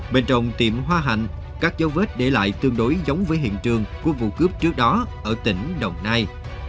bên trong tiệm hoa hạnh các dấu vết để lại tương đối giống với hiện trường của vụ cướp trước đó ở tỉnh đồng nai